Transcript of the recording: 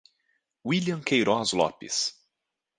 Willian Queiroz Lopes